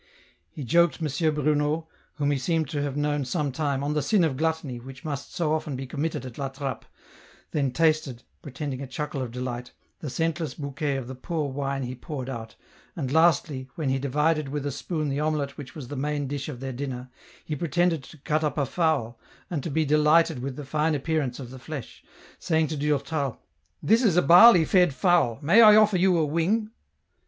He joked M. Bruno, whom he seemed to have known some time, on the sin of gluttony which must so often be committed at La Trappe, then tasted, pretending a chuckle of delight, the scentless bouquet of the poor wine he poured out, and lastly, when he divided with a spoon the omelette which was the main dish of their diurer, he pretended to cut up a fowl, and to be delighted with the fine appearance of the flesh ; saying to Durtai, " This is a barley fed fowl, may I offer you a'wing